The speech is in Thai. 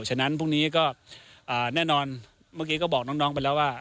ฉะนั้นพรุ่งนี้ก็แน่นอนเมื่อกี้ก็บอกน้องไปแล้วว่า